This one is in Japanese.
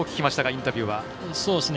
インタビューは。